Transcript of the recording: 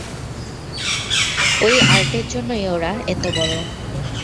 ঐ আর্টের জন্যই ওরা এত বড়।